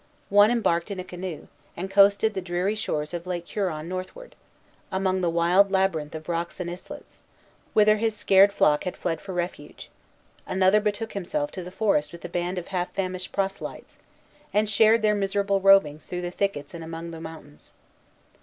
One embarked in a canoe, and coasted the dreary shores of Lake Huron northward, among the wild labyrinth of rocks and islets, whither his scared flock had fled for refuge; another betook himself to the forest with a band of half famished proselytes, and shared their miserable rovings through the thickets and among the mountains.